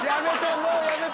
もうやめて！